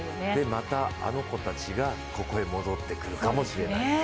またあの子たちがここへ戻ってくるかもしれない。